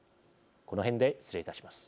この辺で失礼いたします。